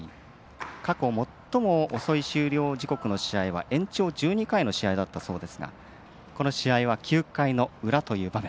過去、最も遅い終了時刻の試合は延長１２回の試合だったそうですがこの試合は９回の裏という場面。